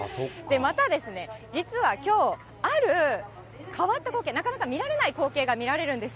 また、実はきょう、ある変わった光景、見られない光景が見られるんです。